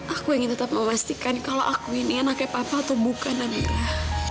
aku ingin tetap memastikan kalau aku ini anaknya papa atau bukan amigrah